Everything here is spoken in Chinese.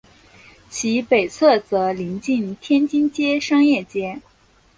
其北侧则邻近天津街商业街。